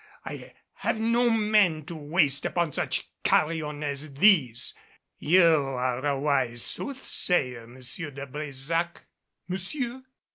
I have no men to waste upon such carrion as these. You are a wise soothsayer, M. de Brésac!" "Monsieur!"